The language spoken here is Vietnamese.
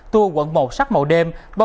tour quận một sắc màu đêm